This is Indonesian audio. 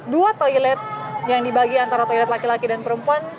dua toilet yang dibagi antara toilet laki laki dan perempuan